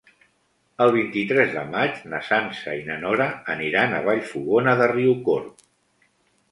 El vint-i-tres de maig na Sança i na Nora aniran a Vallfogona de Riucorb.